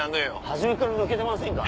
初めから抜けてませんか？